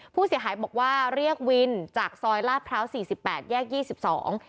ผู้เสียหายบอกว่าเรียกวินจากซอยลาดพร้าวสี่สิบแปดแยกยี่สิบสอง